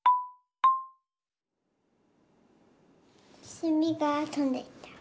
せみがとんでった。